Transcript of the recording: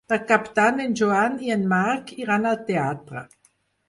Per Cap d'Any en Joan i en Marc iran al teatre.